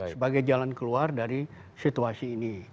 sebagai jalan keluar dari situasi ini